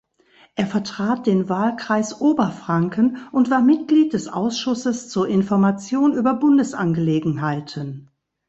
Er vertrat den Wahlkreis Oberfranken und war Mitglied des Ausschusses zur Information über Bundesangelegenheiten.